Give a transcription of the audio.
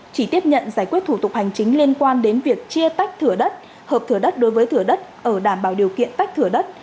chỉ tiếp nhận giải quyết thủ tục hành chính liên quan đến việc chia tách thửa đất hợp thửa đất đối với thửa đất ở đảm bảo điều kiện tách thửa đất